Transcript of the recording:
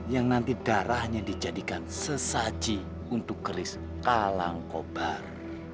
yang nanti darahnya dijadikan sesaji untuk keris kalang kobar